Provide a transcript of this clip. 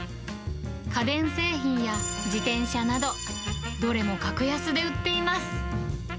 家電製品や自転車など、どれも格安で売っています。